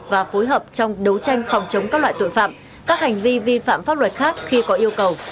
và phối hợp trong đấu tranh phòng chống các loại tội phạm các hành vi vi phạm pháp luật khác khi có yêu cầu